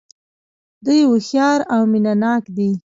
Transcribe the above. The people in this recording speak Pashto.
دوی هوښیار او مینه ناک دي.